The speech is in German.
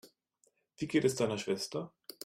Wie geht es deiner Schwester?